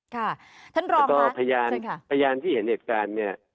ท่านรอกนะเช่นฮะพยานที่เห็นเอกสาร